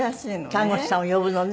看護師さんを呼ぶのね。